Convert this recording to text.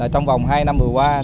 trong vòng hai năm vừa qua